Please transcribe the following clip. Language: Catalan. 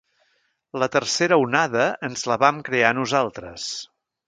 La tercera onada ens la vam crear nosaltres.